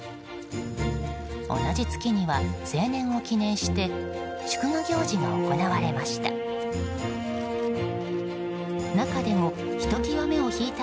同じ月には成年を記念して祝賀行事が行われました。